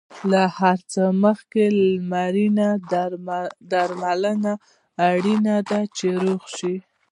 له هر څه مخکې لمرینه درملنه اړینه ده، چې روغ شې.